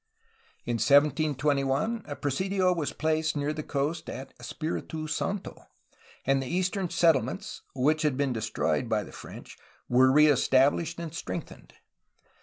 In 1721 a presidio was placed near the coast at Espfritu Santo, and the eastern settlements (which had been destroyed by the French) were reestablished and strengthened.